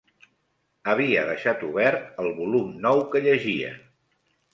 Havia deixat obert el volum nou que llegia